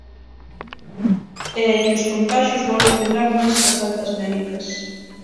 E é que os contaxios volven medrar máis que as altas médicas.